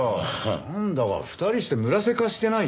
なんだか２人して村瀬化してない？